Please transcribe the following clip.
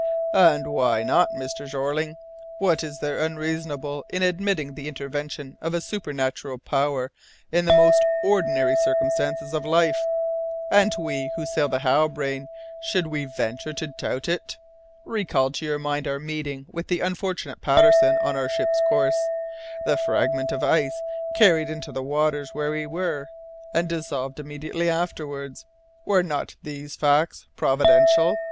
"And why not, Mr. Jeorling? What is there unreasonable in admitting the intervention of a supernatural power in the most ordinary circumstances of life? And we, who sail the Halbrane, should we venture to doubt it? Recall to your mind our meeting with the unfortunate Patterson on our ship's course, the fragment of ice carried into the waters where we were, and dissolved immediately afterwards. Were not these facts providential?